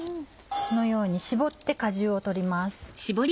このように絞って果汁を取ります。